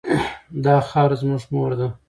دا خاوره زموږ مور ده.